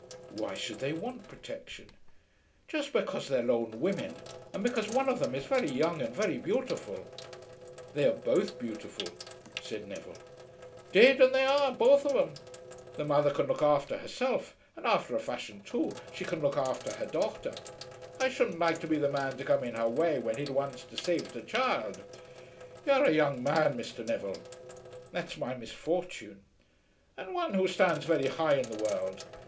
"Why should they want protection?" "Just because they're lone women, and because one of them is very young and very beautiful." "They are both beautiful," said Neville. "'Deed and they are, both of 'em. The mother can look afther herself, and after a fashion, too, she can look afther her daughter. I shouldn't like to be the man to come in her way when he'd once decaived her child. You're a young man, Mr. Neville." "That's my misfortune." "And one who stands very high in the world.